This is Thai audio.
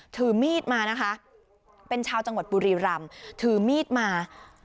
ถือมีดมานะคะเป็นชาวจังหวัดบุรีรำถือมีดมา